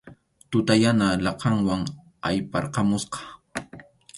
Tuta yana laqhanwan ayparqamusqa.